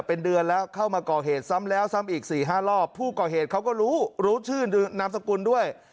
เป็นเดือนแล้วเข้ามาก่อเหตุซ้ำแล้วซ้ำอีกสี่ห้ารอบผู้ก่อเหตุเขาก็รู้รู้ชื่อนามสกุลด้วย